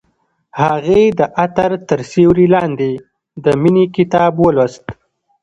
هغې د عطر تر سیوري لاندې د مینې کتاب ولوست.